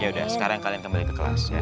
yaudah sekarang kalian kembali ke kelas ya